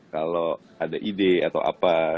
kalau ada ide atau apa